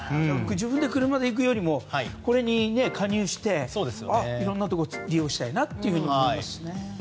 自分で車で行くよりもこれに加入していろんなところに利用したいなと思いますね。